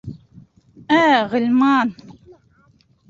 Ә Ғилман: